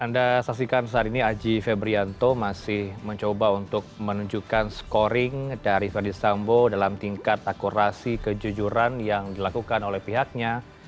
anda saksikan saat ini aji febrianto masih mencoba untuk menunjukkan scoring dari verdi sambo dalam tingkat akurasi kejujuran yang dilakukan oleh pihaknya